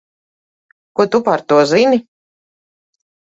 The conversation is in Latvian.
Ko tu par to zini?